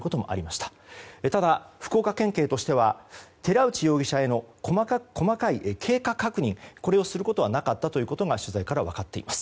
ただ、福岡県警としては寺内容疑者への細かい経過確認をすることはなかったということが取材から分かっています。